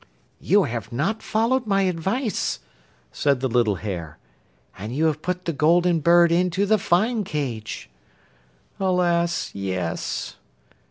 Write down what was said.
'You have not followed my advice,' said the little hare. 'And you have put the Golden Bird into the fine cage.' 'Alas! yes!